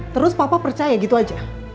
terus papa percaya gitu aja